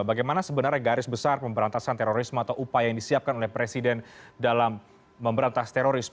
bagaimana sebenarnya garis besar pemberantasan terorisme atau upaya yang disiapkan oleh presiden dalam memberantas terorisme